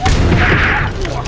yang lainthe benutuk